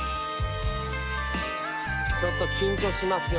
ちょっと緊張しますよ